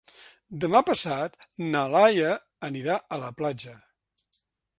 Demà passat na Laia anirà a la platja.